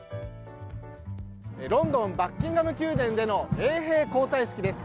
ロンドンバッキンガム宮殿での衛兵交代式です。